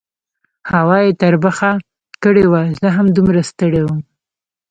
هوا یې تربخه کړې وه، زه هم دومره ستړی وم.